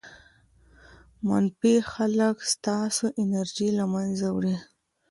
منفي خلک ستاسې انرژي له منځه وړي.